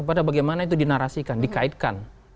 pada bagaimana itu dinarasikan dikaitkan